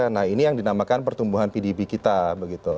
nah ini yang dinamakan pertumbuhan pdb kita begitu